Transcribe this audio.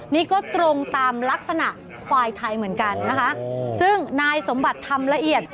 นี่ก็ตรงตามลักษณะควายไทยเหมือนกันนะคะซึ่งนายสมบัติทำละเอียด